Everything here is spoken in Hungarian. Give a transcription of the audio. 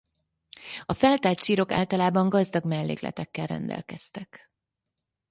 A feltárt sírok általában gazdag mellékletekkel rendelkeztek.